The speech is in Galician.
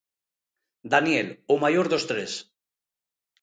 Daniel, o maior dos tres.